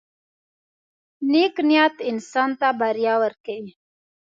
• نیک نیت انسان ته بریا ورکوي.